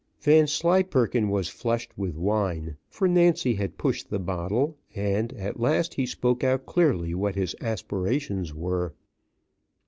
Vanslyperken was flushed with wine, for Nancy had pushed the bottle, and, at last, he spoke out clearly what his aspirations were.